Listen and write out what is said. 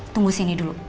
tunggu sini dulu